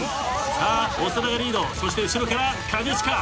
さあ長田がリードそして後ろから兼近。